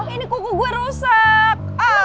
ini kuku gua rusak